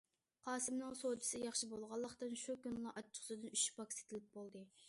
قاسىمنىڭ سودىسى ياخشى بولغانلىقتىن، شۇ كۈنىلا ئاچچىقسۇدىن ئۈچ باك سېتىلىپ بولدى.